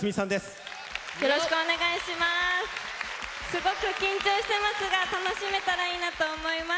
すごく緊張してますが楽しめたらいいなと思います。